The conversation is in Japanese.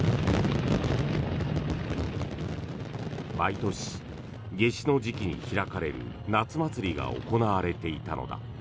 毎年、夏至の時期に開かれる夏祭りが行われていたのだ。